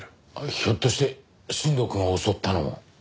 ひょっとして新藤くんを襲ったのも。